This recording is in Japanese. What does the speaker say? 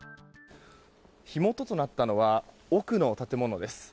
火元となったのが奥の建物です。